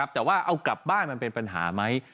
แต่ว่าเอากลับบ้านมันเป็นปัญหาไหม